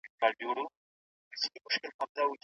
پارلمان به د ولسمشرۍ ماڼۍ سره همږغي ساتي.